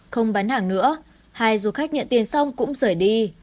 không bán hàng nữa hai du khách nhận tiền xong cũng rời đi